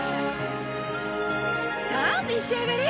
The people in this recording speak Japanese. さあ召し上がれ！